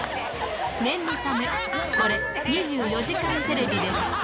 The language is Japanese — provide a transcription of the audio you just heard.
念のため、これ、２４時間テレビです。